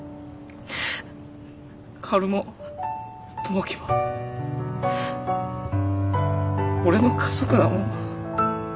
薫も友樹も俺の家族だもん。